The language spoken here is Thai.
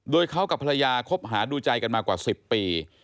โดยเขากับภรรยาคบหาดูใจกันมากว่า๑๐ปี